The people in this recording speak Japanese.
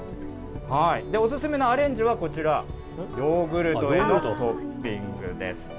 お薦めのアレンジはこちら、ヨーグルトへのトッピングです。